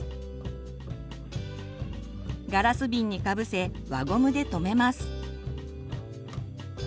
ガラス瓶にかぶせ輪ゴムで留めます。